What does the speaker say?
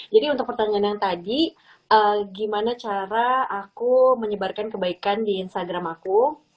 jadi untuk pertanyaan yang tadi gimana cara aku menyebarkan kebaikan di instagram aku